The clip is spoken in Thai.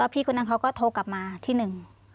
พี่คนนั้นเขาก็โทรกลับมาที่หนึ่ง